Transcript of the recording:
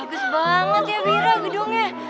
bagus banget ya mira gedungnya